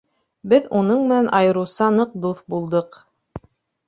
Беҙ уның менән айырыуса ныҡ дуҫ булдыҡ.